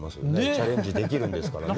チャレンジできるんですからね。